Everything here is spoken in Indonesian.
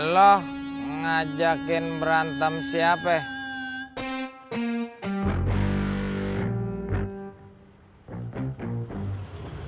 loh ngajakin berantem siapa ya